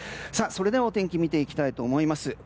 それではお天気を見ていきたいと思います。